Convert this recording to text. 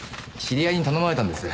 知り合いに頼まれたんです。